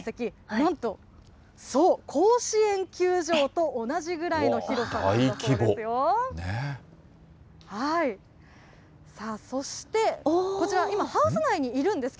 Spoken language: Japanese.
なんと、そう、甲子園球場と同じぐらいの広さということですよ。